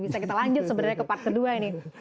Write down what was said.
bisa kita lanjut sebenarnya ke part kedua ini